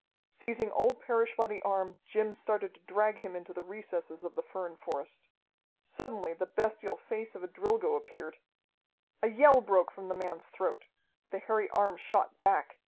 Seizing old Parrish by the arm, Jim started to drag him into the recesses of the fern forest. Suddenly the bestial face of a Drilgo appeared. A yell broke from the man's throat. The hairy arm shot back.